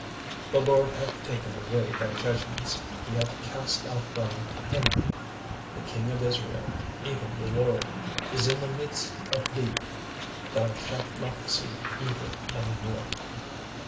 36:003:015 The LORD hath taken away thy judgments, he hath cast out thine enemy: the king of Israel, even the LORD, is in the midst of thee: thou shalt not see evil any more.